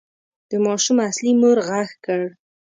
د ماشوم اصلي مور غږ کړ.